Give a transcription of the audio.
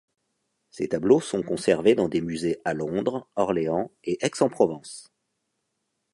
Ses tableaux sont conservés dans des musées à Londres, Orléans et Aix-en-Provence.